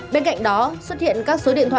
bên cạnh đó các đối tượng sẽ được đăng nhập